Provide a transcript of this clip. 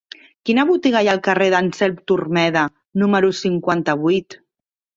Quina botiga hi ha al carrer d'Anselm Turmeda número cinquanta-vuit?